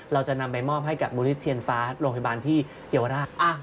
เราจะนำไปมอบให้กับมูลนิธิเทียนฟ้าโรงพยาบาลที่เยาวราช